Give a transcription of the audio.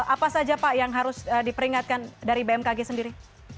apa saja pak yang harus diperingatkan dari bmkg sendiri